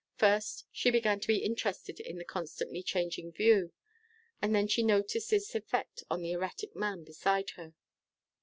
First, she began to be interested in the constantly changing view, and then she noticed its effect on the erratic man beside her.